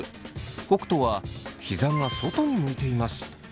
北斗はひざが外に向いています。